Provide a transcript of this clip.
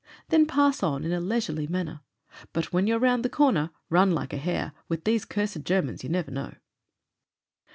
Then pass on in a leisurely manner, but — when you're round the comer, run like a hare: With these ctu'sed Germans, you never know.